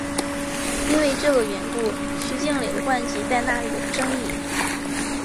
因为这个缘故徐静蕾的籍贯在哪里有争议。